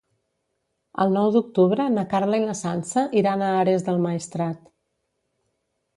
El nou d'octubre na Carla i na Sança iran a Ares del Maestrat.